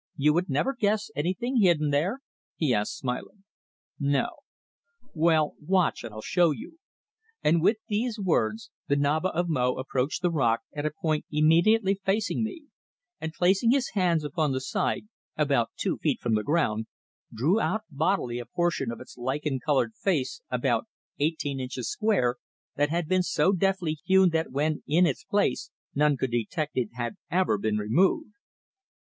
"You would never guess anything hidden there?" he asked, smiling. "No." "Well, watch and I'll show you." And with these words the Naba of Mo approached the rock at a point immediately facing me, and placing his hands upon the side, about two feet from the ground, drew out bodily a portion of its lichen covered face about eighteen inches square, that had been so deftly hewn that when in its place none could detect it had ever been removed.